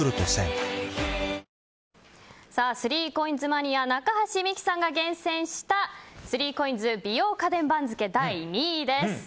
３ＣＯＩＮＳマニア中橋美輝さんが厳選した３ＣＯＩＮＳ美容家電番付第２位です。